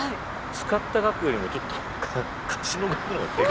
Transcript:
使った額よりもちょっと貸しの額の方がでかくない？